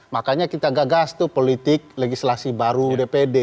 makanya kita gagas tuh politik legislasi baru dpd